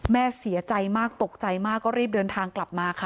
แม่เสียใจมากตกใจมากก็รีบเดินทางกลับมาค่ะ